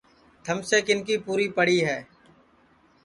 تھمیسے کِن کی پُوری ہے